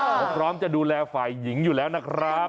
เขาพร้อมจะดูแลฝ่ายหญิงอยู่แล้วนะครับ